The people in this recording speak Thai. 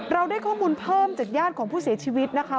เราได้ข้อมูลเพิ่มจากญาติของผู้เสียชีวิตนะคะ